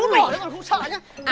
áo đỏ đấy mà không sợ nhá